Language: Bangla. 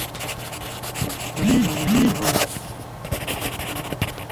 আমরা তঁার আত্মার শান্তি কামনা করি এবং তঁার পরিবারের প্রতি সমবেদনা জানাই।